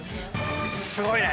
すごいね！